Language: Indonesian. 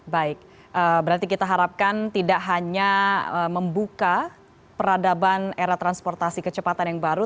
baik berarti kita harapkan tidak hanya membuka peradaban era transportasi kecepatan yang baru